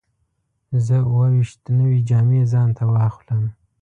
زه اووه ویشت نوې جامې ځان ته واخلم.